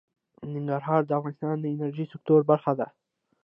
ننګرهار د افغانستان د انرژۍ سکتور برخه ده.